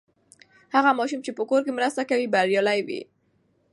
هغه ماشوم چې په کور کې مرسته کوي، بریالی وي.